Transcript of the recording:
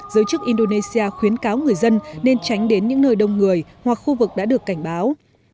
giới chức indonesia khuyến cáo người dân nên tránh đến những nơi đông người hoặc khu vực đã được cảnh báo